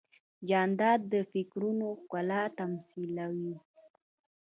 جانداد د فکرونو ښکلا تمثیلوي.